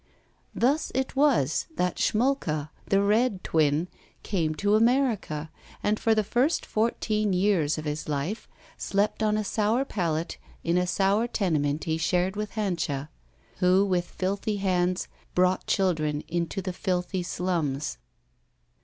Thus it was that Schmulka, the red twin, came to America and for the first fourteen years of his life slept on a sour pallet in a sour tenement he shared with Hanscha, who with filthy hands brought children into the filthy sltuns.